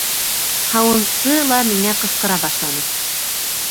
Һауынсы ла миңә ҡысҡыра башланы.